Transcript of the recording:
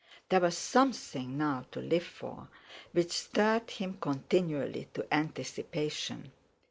There was something now to live for which stirred him continually to anticipation.